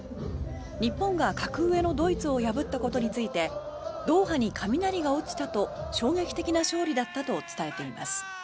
日本が格上のドイツを破ったことについてドーハに雷が落ちたと衝撃的な勝利だったと伝えています。